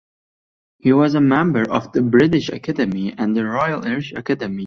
He was a member of the British Academy and the Royal Irish Academy.